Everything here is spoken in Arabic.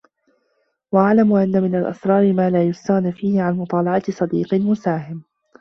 وَاعْلَمْ أَنَّ مِنْ الْأَسْرَارِ مَا لَا يُسْتَغْنَى فِيهِ عَنْ مُطَالَعَةِ صَدِيقٍ مُسَاهِمٍ